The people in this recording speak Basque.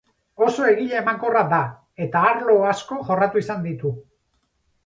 Oso egile emankorra da, eta arlo asko jorratu izan ditu.